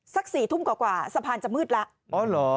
สัก๔ทุ่มกว่าสะพานจะมืดแล้ว